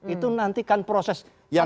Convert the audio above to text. itu nanti kan proses yang